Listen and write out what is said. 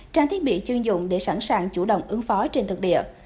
trang thiết bị chuyên dụng để sẵn sàng chủ động ứng phó trên thực địa